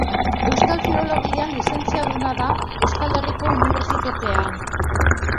Euskal Filologian lizentziaduna da Euskal Herriko Unibertsitatean.